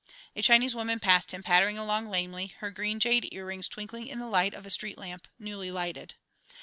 A Chinese woman passed him, pattering along lamely, her green jade ear rings twinkling in the light of a street lamp, newly lighted.